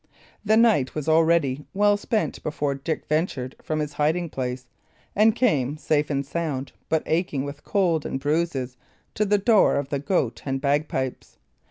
The night was already well spent before Dick ventured from his hiding place and came, safe and sound, but aching with cold and bruises, to the door of the Goat and Bagpipes.